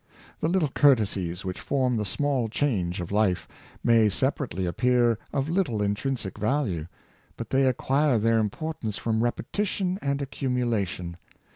The little courtesies which form the small change of life, may separately appear of little intrinsic value, but they acquire their importance from repetition and ac cumulation.